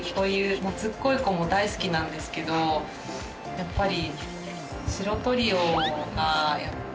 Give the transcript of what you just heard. やっぱり。